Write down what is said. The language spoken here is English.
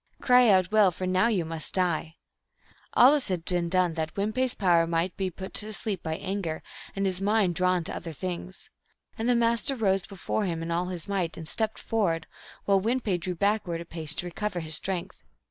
Cry out well, for now you must die !" All this had been done that Win pe s 44 THE ALGONQUIN LEGENDS. power might be put to sleep by anger, and his mind drawn to other things. And the Master rose before him in all his might, and stepped forward, while Win pe drew backward a pace to recover his strength.